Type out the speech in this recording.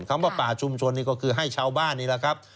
คำว่าป่าชุมชนนี่ก็คือให้ชาวบ้านนี่แหละครับ